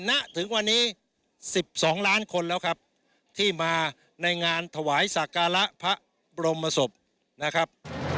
นะถึงวันนี้สิบสองล้านคนแล้วครับที่มาในงานถวายศักราภะบรมศพนะครับ